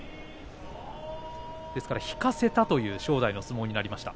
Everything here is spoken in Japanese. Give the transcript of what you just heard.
ですから引かせたという正代の相撲になりました。